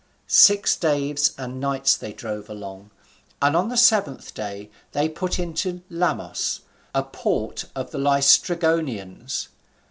Six days and nights they drove along, and on the seventh day they put into Lamos, a port of the Laestrygonians.